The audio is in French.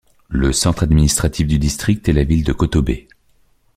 Le centre administratif du district est la ville de Koktobe.